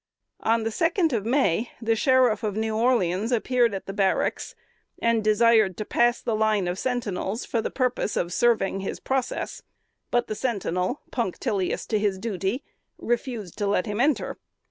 On the second of May, the Sheriff of New Orleans appeared at the barracks, and desired to pass the line of sentinels for the purpose of serving his process; but the sentinel, punctilious to his duty, refused to let him enter.